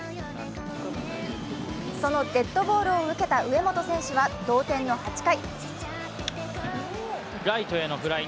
そのデッドボールを受けた上本選手は同点の８回。